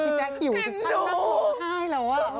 รอให้เชฟเขาทำสัมภาพครับเดี๋ยวเขามาเสริมนะครับ